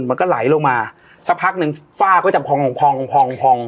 มันก็ไหลลงมาสักพักหนึ่งฝ้าก็จะพร้อมพร้อมพร้อมพร้อม